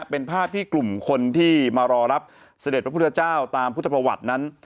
เป็นภาพที่กลุ่มคนที่มารอรับเสด็จพระพุทธเจ้าตามพุทธประวัตินั้น